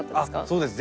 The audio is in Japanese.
そうです。